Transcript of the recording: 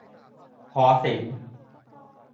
หอศิลป์